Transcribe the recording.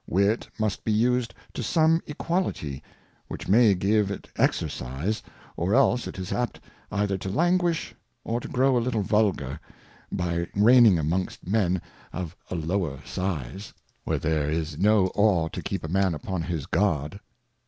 Wit must be used to some Equality, which may give it Exercise, or else it is apt either to languish, or to grow a little vulgar, by reigning amongst Men of 200 A Character of of a lower Size^ where there is no Awe to keep a Man upon his guard.